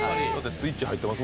スイッチ入ってます